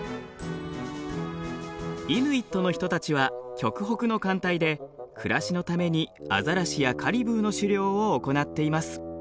イヌイットの人たちは極北の寒帯で暮らしのためにアザラシやカリブーの狩猟を行っています。